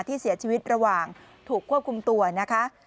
ที่เสียชีวิตระหว่างถูกควบคุมตัวนะคะ